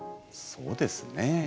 そうですね。